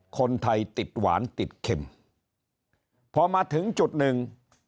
คนไทยติดหวานติดเข็มพอมาถึงจุดหนึ่ง